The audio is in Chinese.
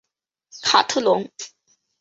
卡特农。